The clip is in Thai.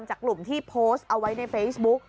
จากกลุ่มที่โพสต์เอาไว้ในเฟซบุ๊ก